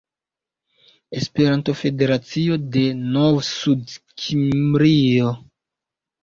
Esperanto-federacio de Novsudkimrio